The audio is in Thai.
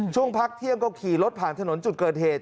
ช่วงพักเที่ยงก็ขี่รถผ่านถนนจุดเกิดเหตุ